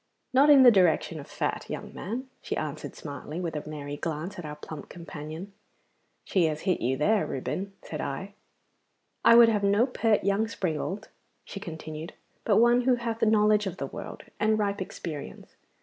'Not in the direction of fat, young man,' she answered smartly, with a merry glance at our plump companion. 'She has hit you there, Reuben,' said I. 'I would have no pert young springald,' she continued, 'but one who hath knowledge of the world, and ripe experience.